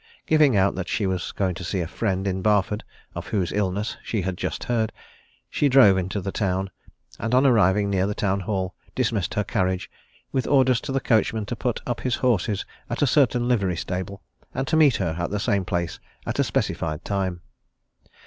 Giving out that she was going to see a friend in Barford, of whose illness she had just heard, she drove into the town, and on arriving near the Town Hall dismissed her carriage, with orders to the coachman to put up his horses at a certain livery stable, and to meet her at the same place at a specified time.